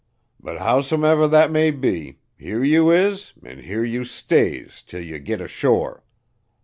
But howsomever that may be, here you is and here you stays till ye git ashore.